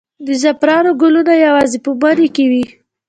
د زعفرانو ګلونه یوازې په مني کې وي؟